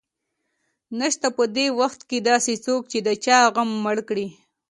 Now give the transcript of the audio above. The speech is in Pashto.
نشته په دې وخت کې داسې څوک چې د چا غم مړ کړي